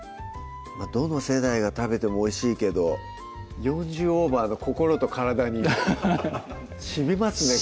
どの世代が食べてもおいしいけど４０オーバーの心と体にしみますね